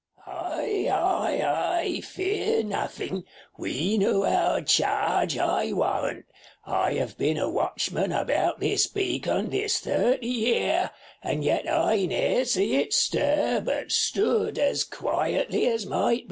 [Exit. First W. Ay, ay, ay, fear nothing ; we know our charge, I warrant : I have been a watchman about this beacon this thirty year, and yet I ne'er see it stir, but stood as quietly as might be.